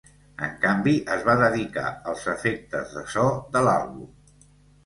En canvi, es va dedicar als efectes de so de l'àlbum.